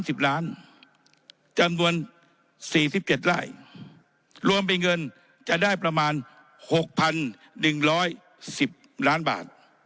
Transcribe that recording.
จำนวน๔๗ไล่รวมเป็นเงินจะได้ประมาณ๖๑๑๐๐๐๐บาท